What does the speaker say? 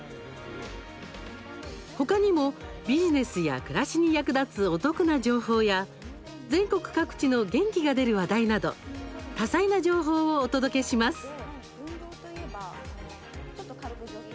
ほかにも、ビジネスや暮らしに役立つお得な情報や全国各地の元気が出る話題など多彩な情報をお届けします。